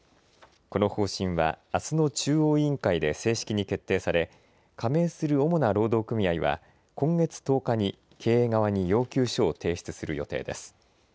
この方針は、あすの中央委員会で正式に決定され、加盟する主な労働組合は、今月１０日に経営側に要求書を提出する予定です。